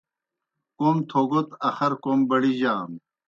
کوْم تھوگوْت اخر کوْم بڑِجانوْ۔